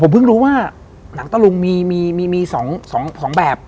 เพิ่งรู้ว่าหนังตะลุงมี๒แบบ